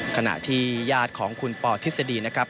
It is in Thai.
ขณะที่ญาติของคุณปอทฤษฎีนะครับ